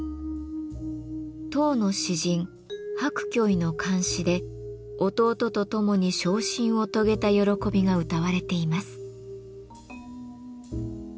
唐の詩人白居易の漢詩で弟と共に昇進を遂げた喜びがうたわれています。